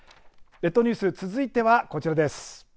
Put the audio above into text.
列島ニュース、続いてはこちらです。